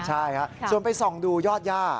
ใช่ครับส่วนไปส่องดูยอดย่า